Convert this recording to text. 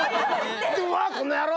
で「うわこの野郎！」